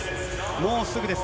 もうすぐです。